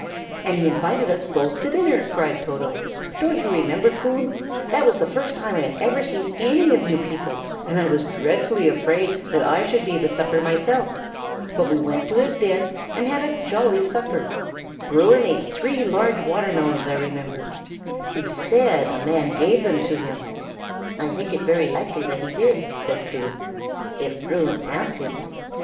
"And he invited us both to supper!" cried Toto. "Don't you remember, Coon? That was the first time I had ever seen any of you people, and I was dreadfully afraid that I should be the supper myself. But we went to his den, and had a jolly supper. Bruin ate three large watermelons, I remember. He said a man gave them to him." "I think it very likely that he did," said Coon, "if Bruin asked him."